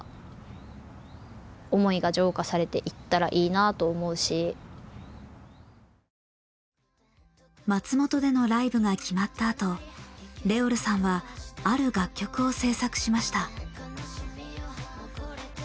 何かやっぱここで一度松本でのライブが決まったあとＲｅｏｌさんはある楽曲を制作しました。